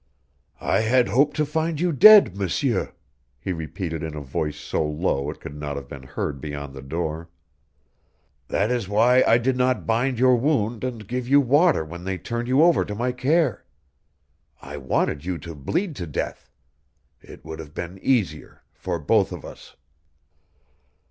"I had hoped to find you dead, M'seur," he repeated in a voice so low it could not have been heard beyond the door. "That is why I did not bind your wound and give you water when they turned you over to my care. I wanted you to bleed to death. It would have been easier for both of us."